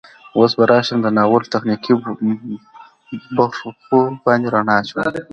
اوس به راشم د ناول تخنيکي بوخو باندې ړنا اچوم